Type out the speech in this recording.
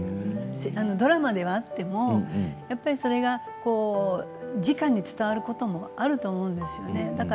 ドラマではあってもそれがじかに伝わることもあると思うんですよね。